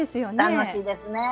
楽しいですね。